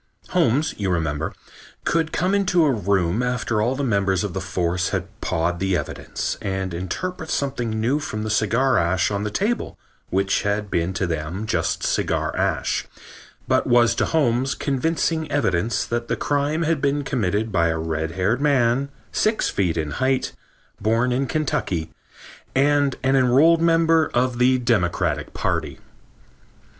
Holmes, you remember, could come into a room after all the members of the force had pawed the evidence and interpret something new from the cigar ash on the table which had been to them just cigar ash, but was to Holmes convincing evidence that the crime had been committed by a red haired man, six feet in height, born in Kentucky and an enrolled member of the Democratic Party.